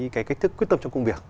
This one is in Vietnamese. cái cách thức quyết tâm trong công việc